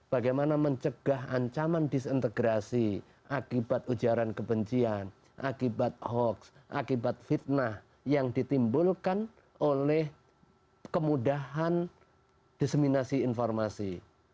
bagaimana mencegah ancaman disintegrasi akibat ujaran kebencian akibat hoax akibat fitnah yang ditimbulkan oleh kemudahan diseminasi informasi